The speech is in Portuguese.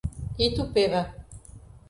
Itupeva